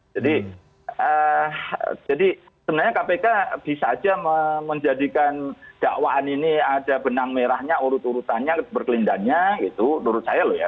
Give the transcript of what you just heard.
jadi sebenarnya kpk bisa aja menjadikan dakwaan ini ada benang merahnya urut urutannya berkelindannya gitu menurut saya loh ya